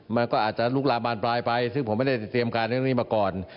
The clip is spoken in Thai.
มันก็อาจจะลุกลามบานปลายไปซึ่งผมไม่ได้เตรียมการเรื่องนี้มาก่อน